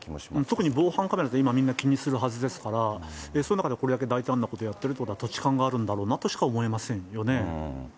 特に防犯カメラってみんな、気にするはずですから、その中でこれだけ大胆なことをやっているとなると、土地勘があるんだろうなとしか思えませんよね。